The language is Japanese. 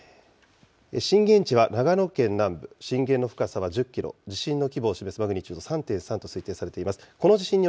震源地は長野県南部、震源の深さは１０キロ、地震の規模を示すマグニチュード３．３と推定されています。